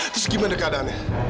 terus gimana keadaannya